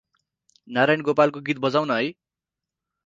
नारायण गोपालको गीत बजाउन है ।